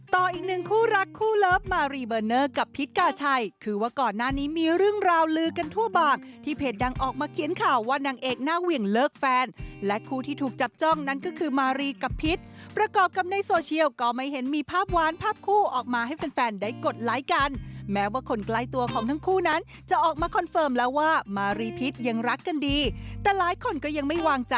ต่ออีกหนึ่งคู่รักคู่เลิฟมารีเบอร์เนอร์กับพิษกาชัยคือว่าก่อนหน้านี้มีเรื่องราวลือกันทั่วบางที่เพจดังออกมาเขียนข่าวว่านางเอกหน้าเวียงเลิกแฟนและคู่ที่ถูกจับจ้องนั้นก็คือมารีกับพิษประกอบกับในโซเชียลก็ไม่เห็นมีภาพวานภาพคู่ออกมาให้แฟนได้กดไลค์กันแม้ว่าคนใกล้ตัวของ